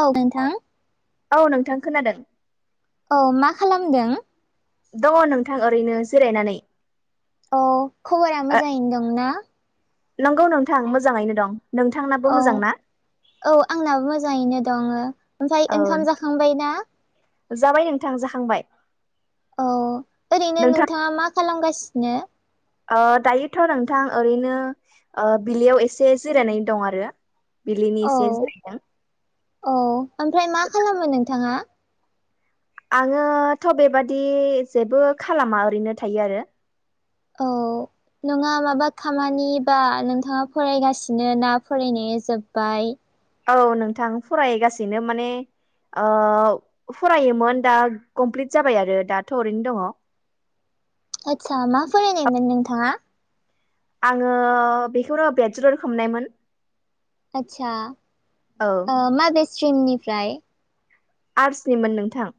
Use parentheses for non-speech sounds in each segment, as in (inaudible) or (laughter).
औ नोंथां औ नोंथां खोनादों औ मा खालामदों दङ नोंथां ओरैनो जिरायनानै औ खबरा ओ मोजाङैनो दंना नंगौ नोंथां मोजाङैनो दं नोंथांनाबो औ मोजां ना औ आंनाबो मोजाङैनो दङ ओमफ्राय औ ओंखाम जाखांबाय ना जाबाय नोंथां जाखांबाय औ ओरैनो नोंथां नोंथाङा मा खालामगासिनो अ दायोथ नोंथां ओरैनो अ बिलियाव एसे जिरायनानै दं आरो बिलिनि औ एसे जिरायदों औ ओमफ्राय मा खालामो नोंथाङा आङोथ बेबादि जेबो खालामा ओरैनो थायो आरो औ नङा माबा खामानि बा नोंथाङा फरायगासिनो ना फरायनाया जोब्बाय औ नोंथां फरायगासिनो माने फरायोमोन दा कमप्लिट जाबाय आरो दाथ ओरैनो दङ आदसा मा फरायनायमोन नोंथाङा आङो बेखौनो बेयेसेलर खालानायमोन आदसा औ माबे ओ स्ट्रिमनिफ्राय आर्टसनिमोन नोंथां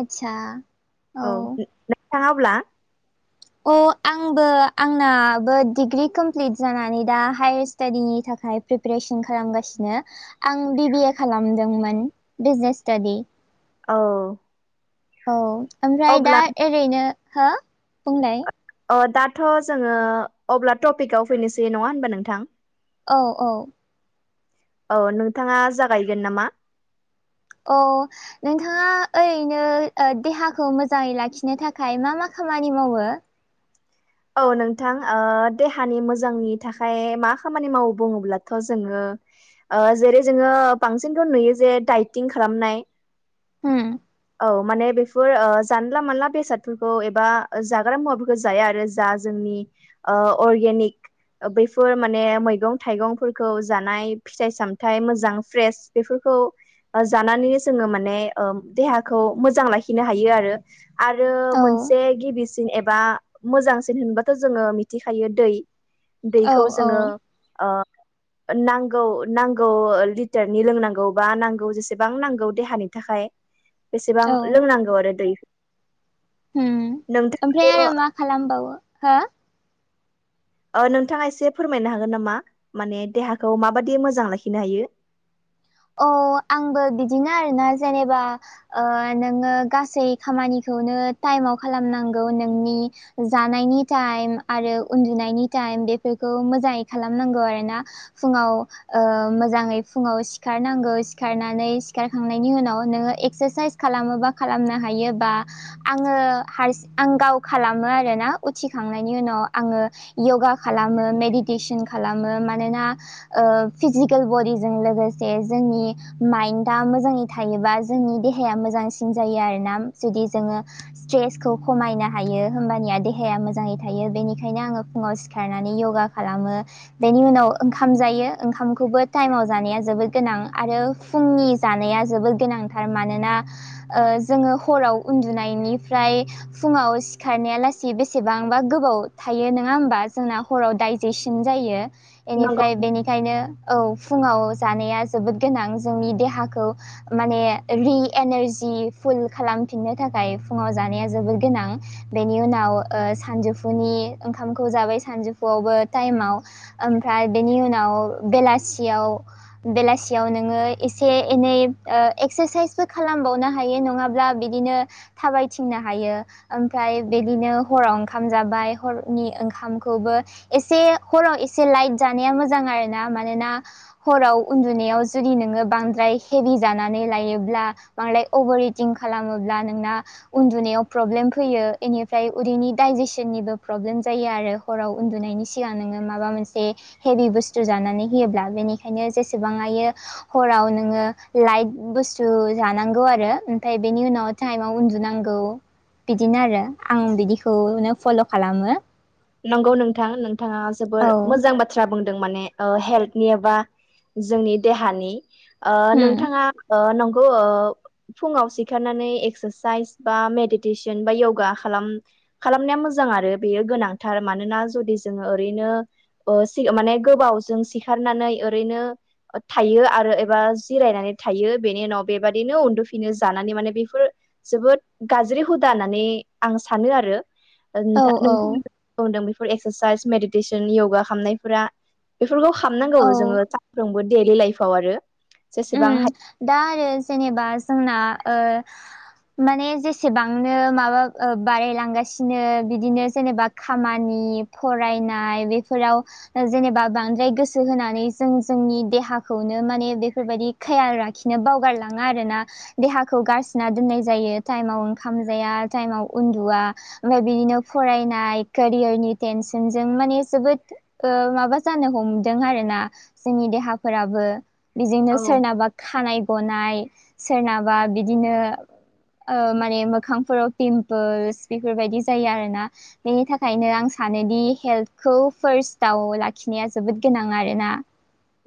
आतसा औ नोंथाङा अब्ला अ आं आंबो आंनाबो डिग्रि कमप्लिट जानानै दा हायार स्टाडिनि थाखाय प्रिपेरेसन खालामगासिनो आं बिबिए खालामदोंमोन बिजनेस स्टाडि औ औ ओमफ्राय दा अब्ला ओरैनो हो बुंनाय अ दाथ जोङो अब्ला टपिकआव फैनोसै नङा होनबा नोंथां औ औ औ नोंथाङा जागायगोन नामा? अ नोंथाङा ओरैनो देहाखौ मोजाङै लाखिनो थाखाय मा मा खामानि मावो? औ नोंथां ओ देहानि मोजांनि थाखाय मा खामानि मावो बुङोब्लाथ जोङो ओ जेरै जोङो बांसिनथ नुयो जे डाइटिं खालामनाय होम औ माने बेफोर ओ जानला मानला बेसादफोरखौ एबा जाग्रा मुवाफोरखौ जाया आरो जा जोंनि ओ अर्गेनिक बैफोर माने मैगं थाइगंफोरखौ जानाय फिथाइ सामथायाइ मोजां फ्रेस बेफोरखौ जानानै जोङो माने ओ देहाखौ मोजां लाखिनो हायो आरो आरो औ मोनसे गिबिसिन एबा मोजांसिन होनबाथ जोङो मिथिखायो दै दैखौ औ जोङो ओ नांगौ नांगौ लिटारनि लोंनांगौ बा नांगौ जेसेबां नांगौ देहानि थाखाय बेसेबां लोंनांगौ आरो दै होम नोंथाङाबो ओमफ्राय आरो मा खालामबावो हो? ओ नोंथाङा एसे फोरमायनो हागोन नामा माने देहाखौ माबादि मोजां लाखिनो हायो? औ आंबो बिदिनो आरोना जेनेबा ओ नोङो गासै खामानिखौनो टाइमाव खालामनांगौ नोंनि जानायनि टाइम आरो उनदुनायनि टाइम बेफोरखौ मोजाङै खालामनांगौ आरोना फुङाव ओ मोजाङै फुङाव सिखारनांगौ सिखारनानै सिखारखांनायनि उनाव नोङो एक्सारसाइस खालामोबा खालामनो हायो बा आङो हारसिं आं गाव खालामो आरोना उथिखांनायनि उनाव आङो यगा खालामो मेडिटेसन खालामो मानोना ओ फिजिकेल बडिजों लोगोसे जोंनि माइनडआ मोजाङै थायोबा जोंनि देहाया मोजांसिन जायो आरोना जुदि जोङो स्ट्रेसखौ खमायनो हायो होमबानिया देहाया मोजाङै थायो बेनिखायनो आङो फुङाव सिखारनानै यगा खालामो बेनि उनाव ओंखाम जायो ओंखामखौबो टाइमाव जानाया जोबोद गोनां आरो फुंनि जानाया जोबोद गोनांथार मानोना ओ जोङो हराव उनदुनायनिफ्राय फुङाव सिखारनाया लासि बेसेबांबा गोबाव थायो नङा होमबा जोंना हराव दडाइजेसन जायो बेनिफ्राय बेनिखायनो औ फुङाव जानाया जोबोद गोनां जोंनि देहाखौ माने रि एनारजि फुल खालामफिननो थाखाय फुङाव जानाया जोबोद गोनां बेनि उनाव सानजौफुनि ओंखामखौ जाबाय सानजौफुआवबो टाइमाव ओमफ्राय बेनि उनाव बेलासियाव बेलासि खाथियाव नोङो एसे एनै ओ एक्सारसाइसबो खालामबावनो हायो नङाब्ला बिदिनो थाबायथिंनो हायो ओमफ्राय बिदिनो हराव ओंखाम जाबाय हरनि ओंखामखौबो एसे हराव एसे लाइट जानाया मोजां आरो ना मानोना हराव उन्दुनायाव जुदि नोङो बांद्राय हेभि जानानै लायोब्ला बांद्राय अभार रिदिं खालामोब्ला नोंना उन्दुनायाव प्रब्लेम फैयो बेनिफ्राय उदैनि दडाइजेसननिबो प्रब्लेम जायो आरो खराव उन्दुनायनि सिगां नोङो माबा मोनसे हेभि बुसथु जानानै होयोब्ला बेनिखायनो जेसेबां हायो हराव नोङो लाइट बुसथु जानांगौ आरो ओमफ्राय बेनि उनाव थाखायाइमाव उनदुनांगौ बिदिनो आरो आं बिदिखौनो फल' खालामो नंगौ नोंथां नोंथाङा जोबोर औ मोजां बाथ्रा बाथ्रा बुंदों माने ओ हेल्थनि एबा जोंनि देहानि ओ नोंथाङा ओ नंगौ औ फुङाव सिखारनानै एक्सारसाइस बा मेडिटेसन बा यगा खालाम खालामनाया मोजां आरो बेयो गोनांथार मानोना जुदि जोङो ओरैनो ओ माने गोबावजों सिखारनानै ओरैनो थायो आरो एबा जिरायनानै थायो बेनि उनाव बेबायादिनो उन्दुफिनो जानानै माने बेफोर जोबोद गाज्रि हुदा होननानै आं सानो आरो औ नोंथां बुंदों बेफोर एक्सारसाइस मेडिटेसन यगा खालामामनायफोरा बेफोरखौ खालामनांगौ औ जोङो सानफ्रोमबो डेलि लाइफव आरो जेसेबां उम हा दा आरो जेनेबा जोंना ओ माने जेसेबांनो माबा ओ बारायलांगासिनो बिदिनो जेनेबा खामानि फरायनाय बेफोराव जेनेबा बांद्राय गोसो होनानै जों जोंनि देहाखौनो माने बे बेफोरबायदि खयाल लाखिनो बावगारलाङा आरोना देहाखौ गारसोना दोननाय जायो टाइमाव ओंखाम जाया टाइमाव उन्दुवआ ओमफफ्राय बिदिनो फरायनाय केरियारनि टेनसनजों माने जोबोद ओ माबा जानो हमदों आरोना जोंनि देहाफोराबो बेजोंनो हायो सोरनाबा खानाय गनाय सोरनाबा बिदिनो ओ माने मोखांफोराव पिमपोल्स बेफोरबायदि जायो आरोना बेनि थाखायनो आं सानोदि हेल्थखौ फार्स्टआव लाखिनाया जोबोद गोनां आरोना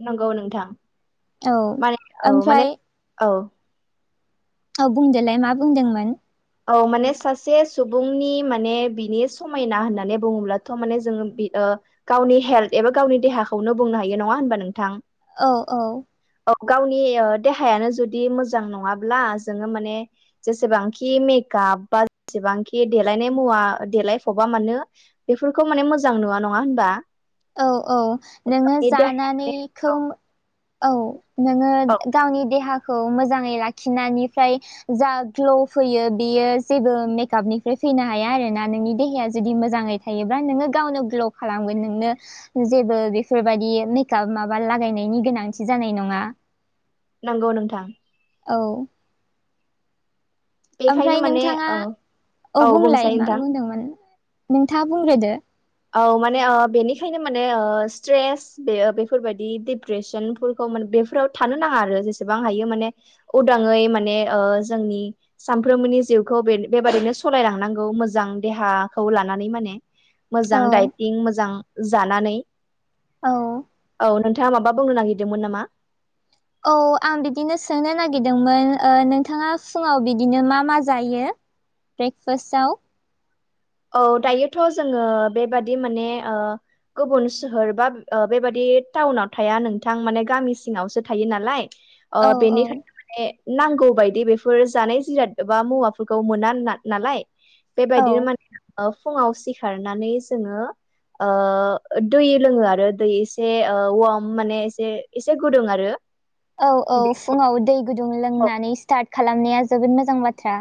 नंगौ नोंथां औ माने औ माने ओमफ्राय औ औ बुंदोलाय मा बुंदोंमोन औ माने सासे सुबुंनि माने बिनि समायना होननानै बुङोब्लाथ' माने जोङो गावनि हेल्थ एबा गावनि देहाखौनो बुंनो हायो नङा होनबा नोंथां औ औ औ गावनि देहायानो जुदि मोजां नङाब्ला जोङो माने जेसेबां कि मेकआप बा जेसेबांखि देलायनाय मुवा देलायफबा मानो बेफोरखौ माने मोजां नुवा नङा होनबा औ औ नोङो बे देहायाव जानानैखौ औ नोङो गावनि देहाखौ मोजाङै लाखिनायनिफ्राय जा ग्ल' फैयो बियो जेबो मेकआपनिफ्राय फैनो हाया आरोना नोंनि देहाया जुदि मोजाङै थायोब्ला नोङो गावनो ग्ल' खालामगोन नोंनो जेबो बेफोरबायदि मेकआप माबा लागायनायनि गोनांथि जानाय नङा नंगौ नोंथां औ बेखायनो ओमफ्राय माने नोंथाङा ओ औ बुंलाय बुंसाय मा नोंथां बुंदोंमोन नोंथाङा बुंग्रोदो औ माने बेनिखायनो माने स्ट्रेस बे बेफोरबायदि डप्रेसनफोरखौ माने बेफोराव थानो नाङा आरो जेसेबां हायो माने उदाङै माने ओ जोंनि सानफ्रोमबोनि जिउखौ बे बेबादिनो सलायलांनांगौ मोजां देहाखौ लानानै माने औ मोजां दाइथिं मोजां जानानै औ औ नोंथाङा माबा बुंनो नागिरदोंमोन नामा? औ आं बिदिनो सोंनो नागिरदोंमोन नोंथाङा फुङाव ओ बिदिनो मा मा जायो? ब्रेकफासटआव औ दायोथ' जोङो बेबादि माने ओ गुबुन सोहोर बा ओ बेबादि टाउनाव थाया नोंथां माने गामि सिङावसो थायो नालाय अ औ औ बेनिखाय माने नांगौ बायदि बेफोर जानाय जिराद एबा मुवाफोरखौ मोना नालाय औ बेबायदिनो माने फुङाव सिखारनानै जोङो ओ दै लोङो आरो दै एसे वार्म माने एसे एसे गुदुं आरो औ औ फुङाव दै गुदुं बेखौ लोंनानै स्टार्ट खालामनाया जोबोद मोजां बाथ्रा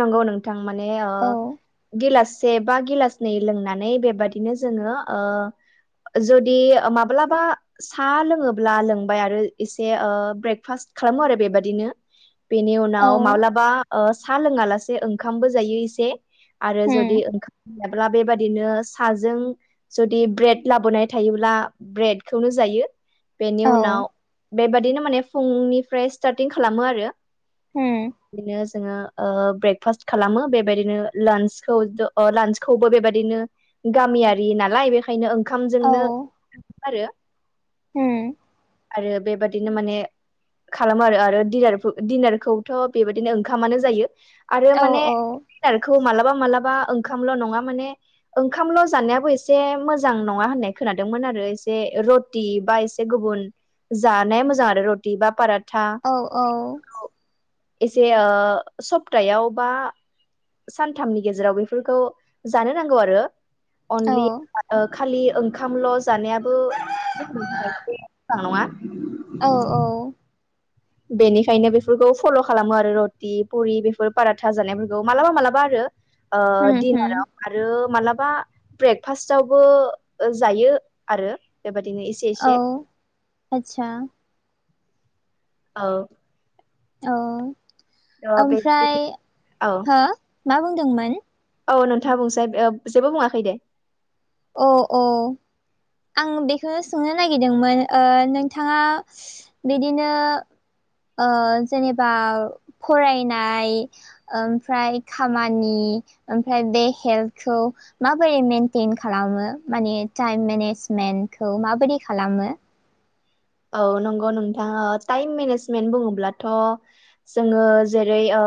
नंगौ नोंथां माने ओ औ गिलास से बा गिलासनै लोंनानै बेबादिनो जोङो ओ जुदि माब्लाबा सा लोङोब्ला लोंबाय आरो एसे ओ ब्रेकफास्ट खालामो आरो बेबादिनो बेनि औ उनाव माब्लाबा ओ साहा लोङा लासे ओंखामबो जायो एसे आरो जुदि होम ओंखाम जायाब्ला बेबायादिनो साजों जुदि ब्रेड लाबोनाय थायोब्ला ब्रेडखौनो जायो बेनि औ उनाव बेबादिनो माने फुंनिफ्राय स्टार्टिं खालामो आरो होम बिदिनो जोङो ओ ब्रेकफास्ट खालामो बेबायदिनो लान्चखौ लान्चखौबो बेबायदिनो गामियारि नालाय बेखायनो औ ओंखामजोंनो आरो होम आरो बेबादिनो माने खालामो आरो आरो डिनार- दिडिनारखौथ' बेबायदिनो ओंखामानो जायो आरो औ मानेा डिनारखौ मालाबा मालाबा ओंखामल' नङा माने ओंखामल' जानायाबो एसे मोजां नङा होननाय खोनादोंमोन आरो एसे रड टि बा एसे गुबुन जानाया मोजां आरो रटि बा पारत ता औ औ एसे ओ सप्तायाव बा सानथामनि गेजेराव बेफोरखौ जानो नांगौ आरो औ अनलि ओ खालि ओंखामल' जानायाबो (unintelligible) मोजां नङा औ औ बेनिखायनो बेफोरखौ फल' खालामो आरो रटि पुरि बेफोर पाराथा जानायफोरखौ मालाबा मालाबा आरो आ होम होम दिनाराव आरो मालाबा ब्रेकफास्टावबो जायो आरो बेबायदिनो एसे एसे औ आदसा औ औ औ बे ओमफ्राय औ हो मा बुंदोंमोन औ नोंथा बुंसै जेबो बुङाखै दे औ औ आं बेखौनो सोंनो नागिरदोंमोन नोंथाङा बिदिनो जेनेबा फरायनाय ओमफ्राय खामानि ओमफ्राय बे हेल्थखौ माबोरै मेनटेन खालामो माने टाइम मेनेजमेन्टखौ माबायदि खालामो औ नंगौ नोंथां टाइम मेनेजमेन्ट बुङोब्लाथ' जोङो जेरै ओ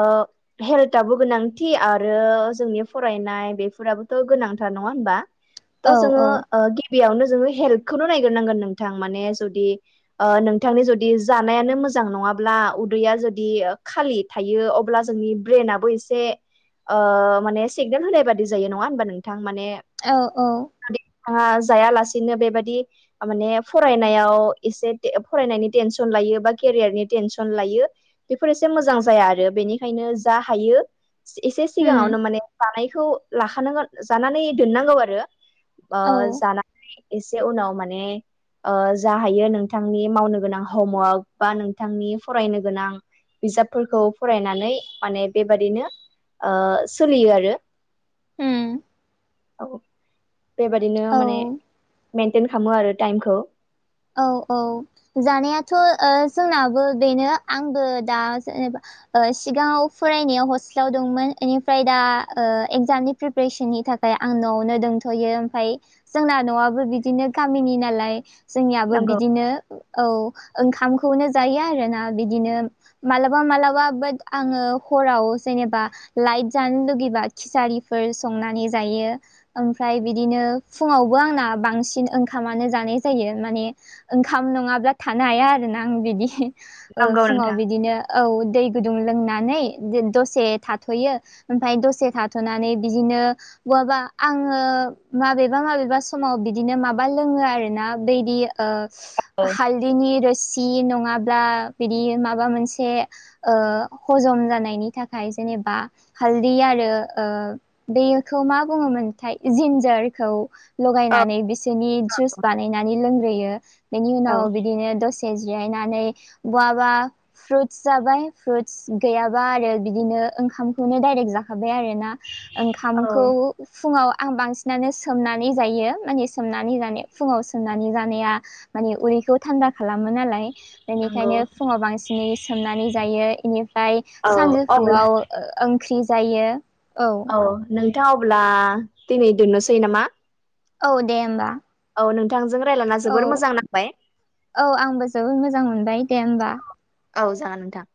हेल्थाबो गोनांथि आरो जोंनि फरायनाय बेफोराबोथ' गोनांथार नङा होमबा (inaudible) थ' जोङो गिबियावनो जोङो हेल्थखौनो नायग्रोनांगोन नोंथां माने जुदि नोंथांनि जुदि जानायानो मोजां नङाब्ला उदैया जुदि खालि थायो अब्ला जोंनि ब्रेनाबो एसे माने सिगनेल होनाय बादि जायो नङा होमबा नोंथां माने औ औ (unintelligible) जायालासेनो बेबायदि माने फरायनायाव एसे फरायनायनि टेनसन लायो बा केरियारनि टेनसन लायो बेफोर एसे मोजां जाया आरो बेनिखायनो जा हायो एसे होम सिगाङावनो माने जानायखौ लाखानांगोन जानानै दोननांगौ आरो औ जानानै एसे उनाव माने जाहायो नोंथांनि मावनो गोनां हमवार्क बा नोंथांनि फरायनो गोनां बिजाबफोरखौ फरायनानै माने बेबादिनो सोलियो आरो होम औ बेबादिनो माने औ मेनटेन खालामो आरो टाइमखौ औ औ जानायाथ' जोंनाबो बेनो आंबो दा जेनेबा सिगाङाव फरायनायाव हस्टेलाव दंमोन बेनिफ्राय दा एगजामनि प्रिपेरेसननि थाखाय आं न'आवनो दोनथ'यो ओमफ्राय जोंना न'आबो बिदिनो गामिनि नालाय जोंनियाबो नंगौ बिदिनो औ ओंखामखौनो जायो आरोना बिदिनो मालाबा मालाबा बाट आङो हराव जेनेबा लाइट जानो लुगैबा खिसारिफोर संनानै जायो ओमफ्राय बिदिनो फुङावबो आंना बांसिन ओंखामानो जानाय जायो माने ओंखाम नङाब्ला थानो हाया आरोना आं बिदि नंगौ फुङाव नोंथां बिदिनो औ दै गुदुं लोंनानै दसे थाथ'यो ओमफ्राय दसे थाथ'नानै बिदिनो बहाबा आङो माबेबा माबेबा समाव बिदिनो माबा लोङो आरो ना बेदि हालदिनि रोसि सि नङाब्ला बिदि माबा मोनसे हजम जानायनि थाखाय जेनेबा हालदि आरो बेखौ मा बुङोमोनथाय जिन्जारखौ औ लगायनानै बिसोरनि जुइस बानायनानै ग्रोयो बेनि औ उनाव बिदिनो दसे जिरायनानै बहाबा फ्रुटस जाबाय फ्रुटस गैयाबा आरो बिदिनो ओंखामखौनो डायरेक्ट जाखाबाय आरो ना औ ओंखामखौ फुङाव आं बांसिनानो सोमनानै जायो माने सोमनानै जानाय फुङाव सोमनानै जानाया माने उदैखौ थान्दा खालामो नालाय नंगौ बेनिखायनो फुङाव बांसिनै सोमनानै जायो बेनिफ्राय औ अब्ला सानजौफुआव ओंख्रि जायो औ नोंथाङा अब्ला दिनै दोननोसै नामा औ दे होमबा औ नोंथांजों रायज्लायना औ जोबोर मोजां नांबाय औ आंबो जोबोद मोजां मोनबाय दे होमबा औ जागोन नोंथां